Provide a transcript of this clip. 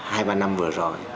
hai ba năm vừa rồi